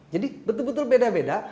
jadi betul betul beda beda